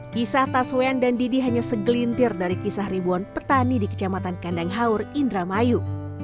kisah taswian dan didi hanya segelintir dari kisah ribuan petani di kecamatan kandang haur indramayu